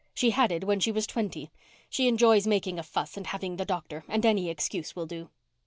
She had it when she was twenty. She enjoys making a fuss and having the doctor, and any excuse will do."